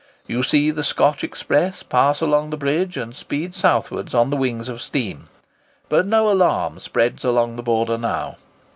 You see the Scotch express pass along the bridge and speed southward on the wings of steam. But no alarm spreads along the border now.